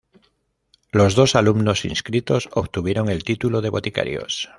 Los dos alumnos inscritos obtuvieron el título de boticarios.